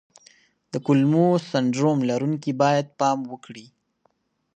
د کولمو سنډروم لرونکي باید پام وکړي.